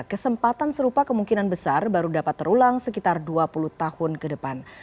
kesempatan serupa kemungkinan besar baru dapat terulang sekitar dua puluh tahun ke depan